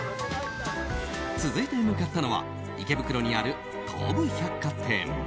続いて向かったのは池袋にある東武百貨店。